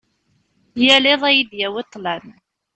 Yal iḍ ad yi-d-yawi ṭṭlam.